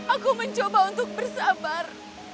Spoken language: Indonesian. aku mencoba untuk bersabar